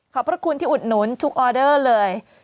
พระคุณที่อุดหนุนทุกออเดอร์เลย